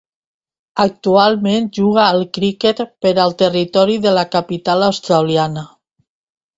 Actualment juga al criquet per al Territori de la Capital Australiana.